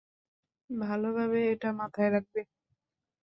ভালোভাবে এটা মাথায় রাখবি।